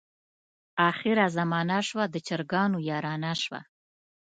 اخره زمانه شوه، د چرګانو یارانه شوه.